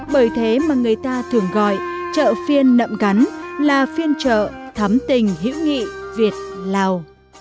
bởi thế mà người ta thường gọi chợ phiên nậm cắn là phiên chợ thắm tình hữu nghị việt lào